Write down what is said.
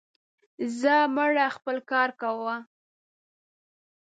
زه مړه, خپل کار کوه.